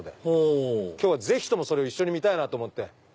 ほお今日はぜひともそれを一緒に見たいなと思って。